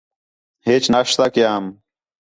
ہیچ ناشتہ کیام